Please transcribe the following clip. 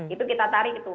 itu kita tarik itu